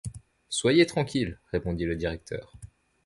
Soyez tranquille, répondit le directeur.